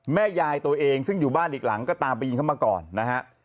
แม่ยายตัวเองซึ่งอยู่บ้านอีกหลังก็ตามไปยิงเข้ามาก่อนนะฮะ